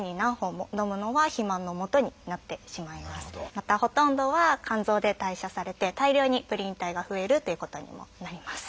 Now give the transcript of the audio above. またほとんどは肝臓で代謝されて大量にプリン体が増えるっていうことにもなります。